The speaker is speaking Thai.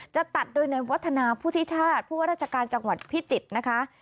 จะตัดโดยในวัฒนาพุทธิชาติผู้ว่าราชการจังหวัดพิจิตรนะคะ